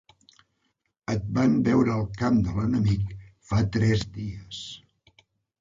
Et van veure al camp de l'enemic fa tres dies.